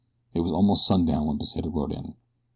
It was almost sundown when Pesita rode in.